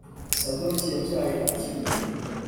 Sadoki yabyaye Akimu